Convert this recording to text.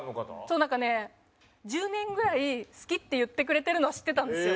なんかね１０年ぐらい好きって言ってくれてるのは知ってたんですよ。